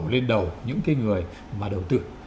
lên đầu những cái người mà đầu tư